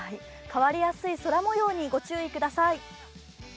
変わりやすい空模様にご注意ください。